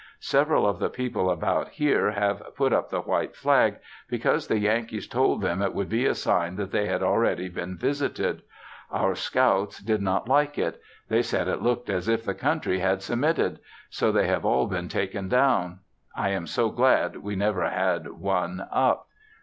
Several of the people about here have put up the white flag, because the Yankees told them it would be a sign that they had already been visited. Our scouts did not like it; they said it looked as if the country had submitted, so they have all been taken down. I am so glad we never had one up.